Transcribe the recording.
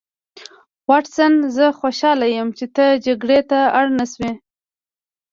واټسن زه خوشحاله یم چې ته جګړې ته اړ نشوې